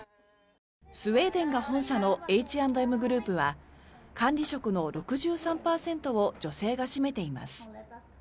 スウェーデンが本社のＨ＆Ｍグループは管理職の６３％を女性が占めています。